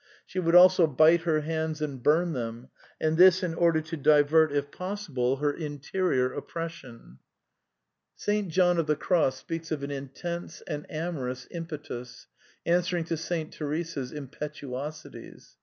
She would also bite her hands and bum them, and this in order to divert, if possible, her interior op pression." *^ St. John of the Cross speaks of " an intense and fljnftrftVff impetus," answering to St. Teresa's " impetuosities."